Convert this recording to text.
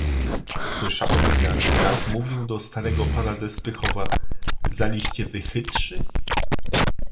"Słyszałem, jako raz mówił do starego pana ze Spychowa: „Zaliście wy chytrzy?"